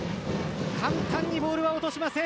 簡単にボールは落としません。